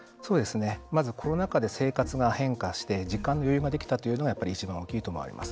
コロナ禍で生活が変化して時間の余裕ができたというのがやっぱり一番大きいと思われます。